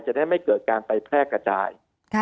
จะได้ไม่เกิดการไปแพร่กระจาย